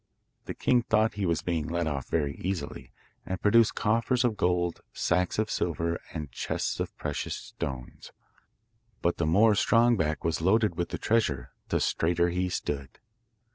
The king thought he was being let off very easily, and produced coffers of gold, sacks of silver, and chests of precious stones; but the more Strong Back was loaded with the treasure the straighter he stood.